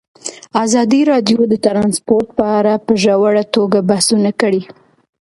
ازادي راډیو د ترانسپورټ په اړه په ژوره توګه بحثونه کړي.